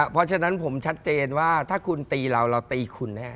เพราะฉะนั้นผมชัดเจนว่าถ้าคุณตีเราเราตีคุณแน่